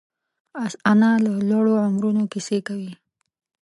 انا له لوړو عمرونو کیسې کوي